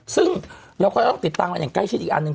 ซึ่งเราก็ต้องติดตามกันอย่างใกล้ชิดอีกอันหนึ่ง